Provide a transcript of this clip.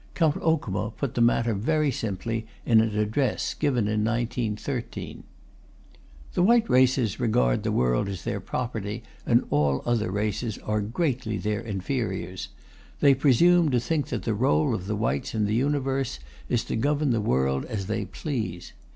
Count Okuma put the matter very simply in an address given in 1913: The white races regard the world as their property and all other races are greatly their inferiors. They presume to think that the rôle of the whites in the universe is to govern the world as they please.